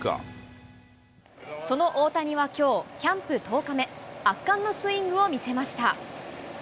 その大谷はきょう、キャンプ１０日目、圧巻のスイングを見せました。